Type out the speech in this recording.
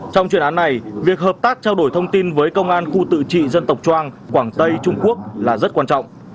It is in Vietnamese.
trong chuyên án này việc hợp tác trao đổi thông tin với công an khu tự trị dân tộc trang quảng tây trung quốc là rất quan trọng